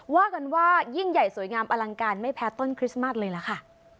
ว่ากันว่ายิ่งใหญ่สวยงามอลังการไม่แพ้ต้นคริสต์มัสเลยล่ะค่ะ